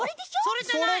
それじゃない。